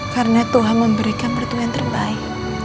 karena tuhan memberikan mertua yang terbaik